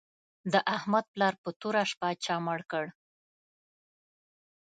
د احمد پلار په توره شپه چا مړ کړ